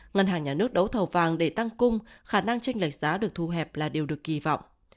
ngân hàng nhà nước đấu thầu vàng để tăng cung khả năng tranh lệch giá được thu hẹp là điều được kỳ vọng